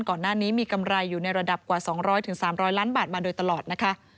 ก่อนหน้านี้มีกำไรอยู่ในระดับกว่า๒๐๐๓๐๐ล้านบาทมาโดยตลอดนะคะ